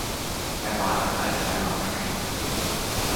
Er war an Alzheimer erkrankt.